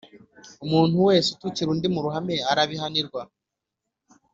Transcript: Umuntu wese utukira undi mu ruhame arabihanirwa